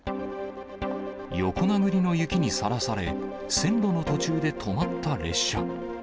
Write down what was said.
横殴りの雪にさらされ、線路の途中で止まった列車。